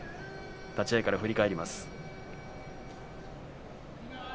立ち合いから振り返ります。